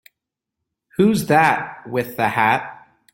Who's that with the hat?